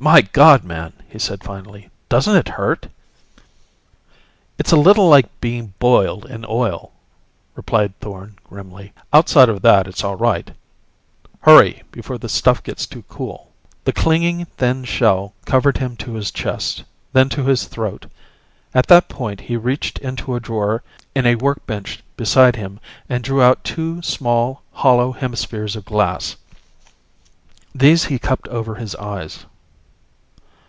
"My God, man!" he said finally. "Doesn't it hurt?" "It's a little like being boiled in oil," replied Thorn grimly. "Outside of that it's all right. Hurry, before the stuff gets too cool." The clinging thin shell covered him to his chest, then to his throat. At that point he reached into a drawer in a workbench beside him and drew out two small, hollow hemispheres of glass. These he cupped over his eyes.